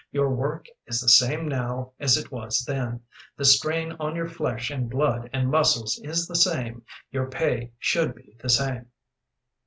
Your work is the same now as it was then, the strain on your flesh and blood and muscles is the same, your pay should be the same."